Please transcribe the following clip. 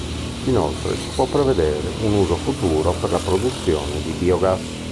Inoltre si può prevedere un uso futuro per la produzione di biogas.